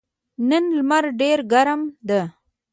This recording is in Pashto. نن لمر ډېر ګرم ده.